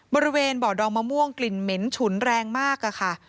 บริเวณบ่อดองมะม่วงกลิ่นเหม็นฉุนแรงมากค่ะ